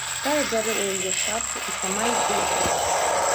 Тая бярэ ў яе шапку і сама ідзе ў круг.